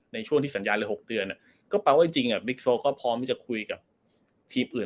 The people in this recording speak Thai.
ในช่วงที่สัญญาเลย๖เดือนก็แปลว่าจริงบิ๊กโซก็พร้อมที่จะคุยกับทีมอื่น